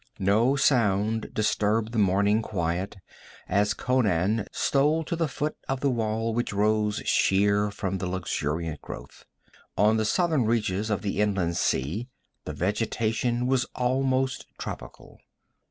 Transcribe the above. No sound disturbed the morning quiet as Conan stole to the foot of the wall which rose sheer from the luxuriant growth. On the southern reaches of the inland sea the vegetation was almost tropical.